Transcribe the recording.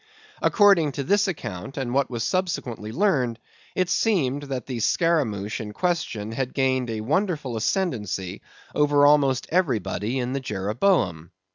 According to this account and what was subsequently learned, it seemed that the scaramouch in question had gained a wonderful ascendency over almost everybody in the Jeroboam.